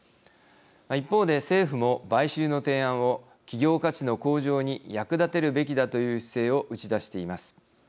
一方で、政府も買収の提案を企業価値の向上に役立てるべきだという姿勢を打ち出しています。